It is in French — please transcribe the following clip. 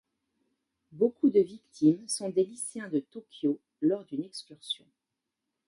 Beaucoup de victimes sont des lycéens de Tokyo lors d'une excursion.